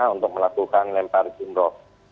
untuk melakukan lempar jomrah